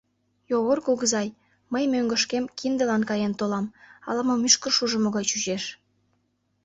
Йогор кугызай, мый мӧҥгышкем киндылан каен толам, ала-мо мӱшкыр шужымо гай чучеш.